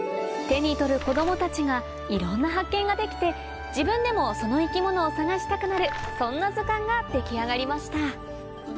手に取る子供たちがいろんな発見ができて自分でもその生き物を探したくなるそんな図鑑が出来上がりました